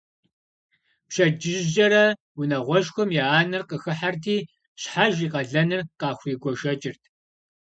Пщэдджыжькӏэрэ унагъуэшхуэм я анэр къахыхьэрти, щхьэж и къалэныр къахуригуэшэкӏырт.